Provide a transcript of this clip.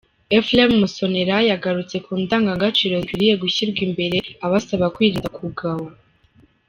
Ephrem Musonera, yagarutse ku ndangagaciro zikwiriye gushyirwa imbere abasaba kwirinda kugawa.